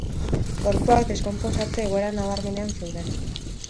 Gorpuak deskonposatze-egoera nabarmenean zeuden.